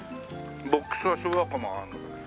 ボックスは昭和感もあるんだけども。